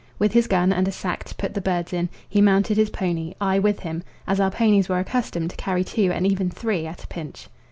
With his gun and a sack to put the birds in, he mounted his pony, I with him, as our ponies were accustomed to carry two and even three at a pinch.